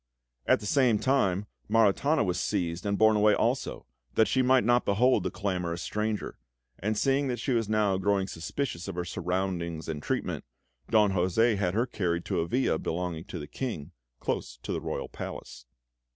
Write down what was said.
At the same time, Maritana was seized and borne away also, that she might not behold the clamorous stranger; and seeing that she was now growing suspicious of her surroundings and treatment, Don José had her carried to a villa belonging to the King, close to the royal palace.